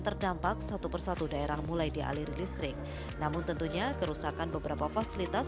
terdampak satu persatu daerah mulai dialiri listrik namun tentunya kerusakan beberapa fasilitas